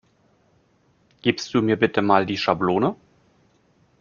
Gibst du mir bitte Mal die Schablone?